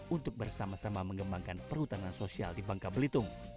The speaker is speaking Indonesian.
untuk bersama sama mengembangkan perhutanan sosial di bangka belitung